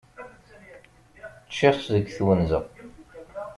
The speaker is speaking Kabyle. Ččiɣ-tt deg twenza.